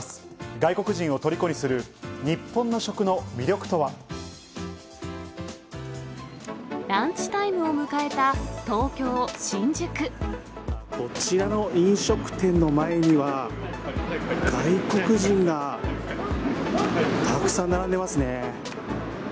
外国人をとりこにする日本の食のランチタイムを迎えた東京・こちらの飲食店の前には、外国人がたくさん並んでいますね。